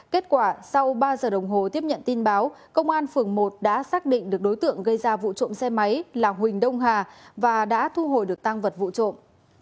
kết quả sau ba giờ đồng hồ tiếp nhận tin báo công an phường một đã xác định được đối tượng gây ra vụ trộm xe máy là huỳnh đông hà và đã thu hồi được tăng vật vụ trộm